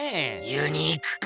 ユニークか？